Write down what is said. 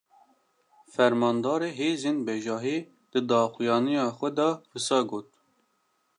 Fermandarê hêzên bejahî, di daxuyaniya xwe de wisa got: